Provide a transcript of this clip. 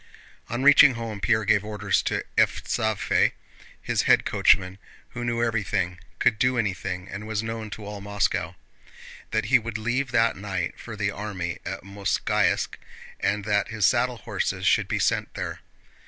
On reaching home Pierre gave orders to Evstáfey—his head coachman who knew everything, could do anything, and was known to all Moscow—that he would leave that night for the army at Mozháysk, and that his saddle horses should be sent there.